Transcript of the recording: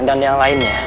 dan yang lainnya